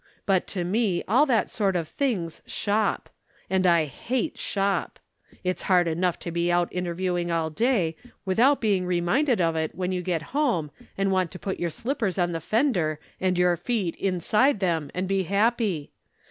But to me all that sort of thing's 'shop.' And I hate 'shop.' It's hard enough to be out interviewing all day, without being reminded of its when you get home and want to put your slippers on the fender and your feet inside them and be happy.